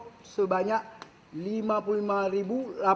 kita sudah mengeluarkan paspor sebanyak lima puluh lima delapan ratus tiga puluh dua